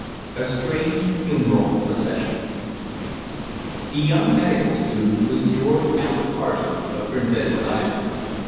A STRANGE FUNERAL PROCESSION The young medical student was George Albert Hardy, of Prince Edward Island.